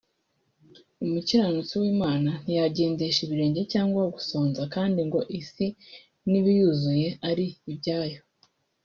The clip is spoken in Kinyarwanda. umukiranutsi w’Imana ntiyagendesha ibirenge cyangwa gusonza kandi ngo isi n’ibiyuzuye ari ibyayo